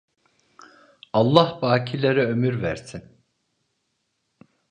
Allah bakilere ömür versin!